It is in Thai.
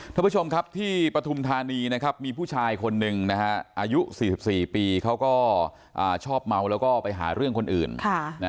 ท่านผู้ชมครับที่ปฐุมธานีนะครับมีผู้ชายคนหนึ่งนะฮะอายุ๔๔ปีเขาก็ชอบเมาแล้วก็ไปหาเรื่องคนอื่น